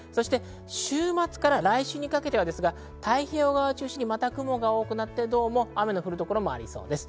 週末から来週にかけては太平洋側を中心にまた雲が多くなって雨の降る所もありそうです。